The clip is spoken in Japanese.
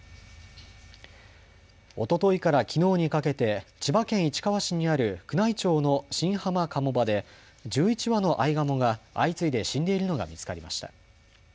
おとといからきのうにかけて千葉県市川市にある宮内庁の新浜鴨場で１１羽のアイガモが相次いで死んでいるのが見つかりました。